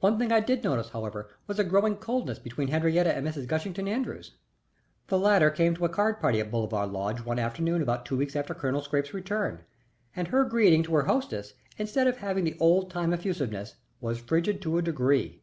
One thing I did notice, however, was a growing coldness between Henriette and Mrs. Gushington Andrews. The latter came to a card party at Bolivar Lodge one afternoon about two weeks after Colonel Scrappe's return, and her greeting to her hostess instead of having the old time effusiveness was frigid to a degree.